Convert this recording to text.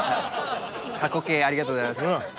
過去形ありがとうございます。